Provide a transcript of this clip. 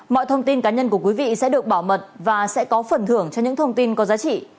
mọi thông tin cá nhân của quý vị sẽ được bảo mật và sẽ có phần thưởng cho những thông tin có giá trị